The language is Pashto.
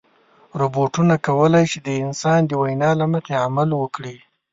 روبوټونه کولی شي د انسان د وینا له مخې عمل وکړي.